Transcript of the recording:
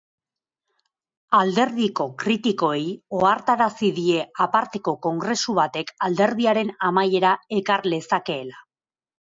Alderdiko kritikoei ohartarazi die aparteko kongresu batek alderdiaren amaiera ekar lezakeela.